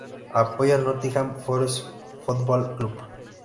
Apoya al Nottingham Forest Football Club.